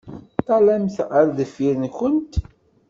Ṭṭalemt ar deffir-nkent.